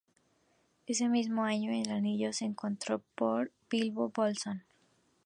Ese mismo año el Anillo es encontrado por Bilbo Bolsón.